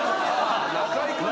中居君か。